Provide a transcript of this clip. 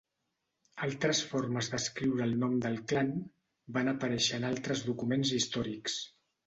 Altres formes d'escriure el nom del clan van aparèixer en altres documents històrics.